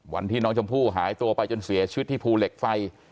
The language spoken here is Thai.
วันที่น้องชมพู่หายตัวไปจนเสียชีวิตที่ภูเหล็กไฟ